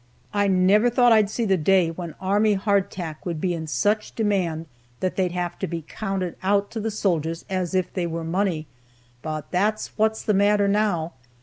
I never thought I'd see the day when army hardtack would be in such demand that they'd have to be counted out to the soldiers as if they were money, but that's what's the matter now.